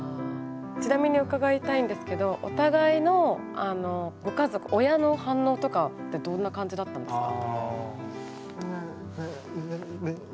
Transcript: ちなみに伺いたいんですけどお互いのご家族親の反応とかってどんな感じだったんですか？